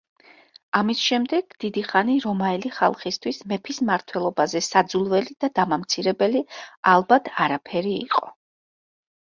ამის შემდეგ დიდი ხანი რომაელი ხალხისთვის მეფის მმართველობაზე საძულველი და დამამცირებელი ალბათ არაფერი იყო.